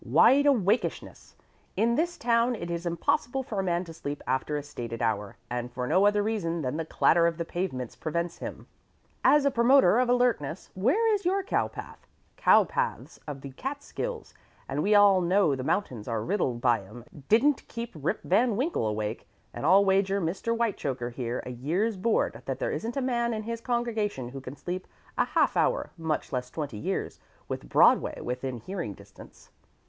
Wide awakeishness. In this town it is impossible for a man to sleep after a stated hour, and for no other reason than that the clatter of the pavements prevents him. As a promoter of alertness, where is your cowpath? The cowpaths of the Catskills, and we all know the mountains are riddled by 'em, didn't keep Rip Van Winkle awake, and I'll wager Mr. Whitechoker here a year's board that there isn't a man in his congregation who can sleep a half hour much less twenty years with Broadway within hearing distance.